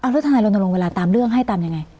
แล้วทางไหนเราต้องลงเวลาตามเรื่องให้ตามยังไง